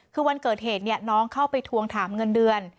คือวันเกิดเหตุน้องเข้าไปทวงถามเงินเดือน